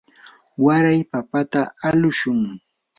waray papata alashun.